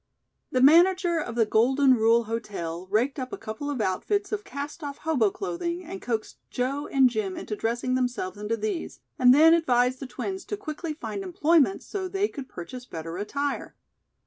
The manager of the "Golden Rule Hotel" raked up a couple of outfits of cast off hobo clothing, and coaxed Joe and Jim into dressing themselves into these, and then advised the twins to quickly find employment so they could purchase better attire.